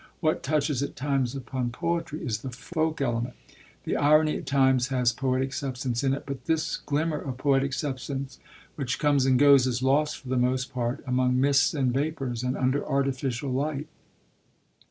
What touches at times upon poetry is the folk element; the irony at times has poetic substance in it; but this glimmer of poetic substance, which comes and goes, is lost for the most part among mists and vapours, and under artificial light.